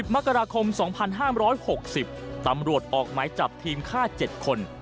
มกราคม๒๕๖๐ตำรวจออกหมายจับทีมฆ่า๗คน